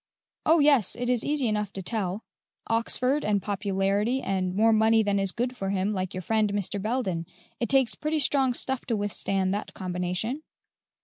"Oh, yes, it is easy enough to tell: Oxford and popularity and more money than is good for him, like your friend, Mr. Belden. It takes pretty strong stuff to withstand that combination."